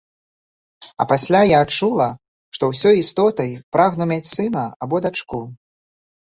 А пасля я адчула, што ўсёй істотай прагну мець сына або дачку.